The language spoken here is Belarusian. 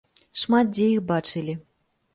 Шмат дзе іх бачылі.